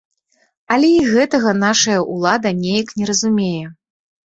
Але і гэтага нашая ўлада неяк не разумее.